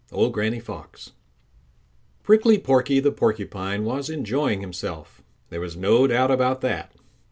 —Old Granny Fox. Prickly Porky the Porcupine was enjoying himself. There was no doubt about that.